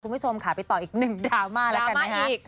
คุณผู้ชมค่ะไปต่ออีกหนึ่งดราม่าดราม่าอีก